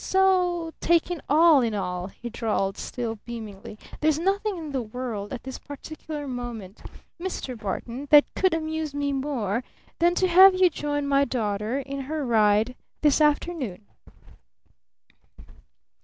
"So taken all in all," he drawled still beamingly, "there's nothing in the world at this particular moment, Mr. Barton that could amuse me more than to have you join my daughter in her ride this afternoon!"